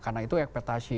karena itu ekspektasi